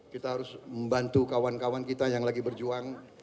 kita harus membantu kawan kawan kita yang lagi berjuang